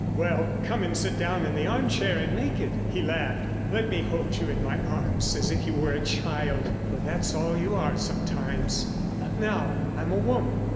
"Well, come and sit down in the arm chair and make it," he laughed. "Let me hold you in my arms as if you were a child, for that's all you are sometimes." "Not now. I'm a woman.